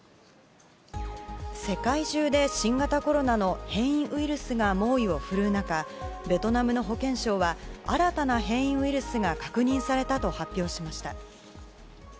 世界中で新型コロナの変異ウイルスが猛威を振るう中ベトナムの保健相は新たな変異ウイルスが確認されたと発表しました。